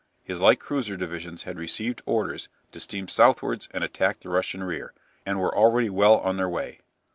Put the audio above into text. His light cruiser divisions had received orders to steam southwards and attack the Russian rear, and were already well on their way.